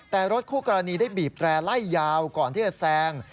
แต่รถคู่กรณีได้บีบแตร่ไล่ยาวก่อนที่จะแซง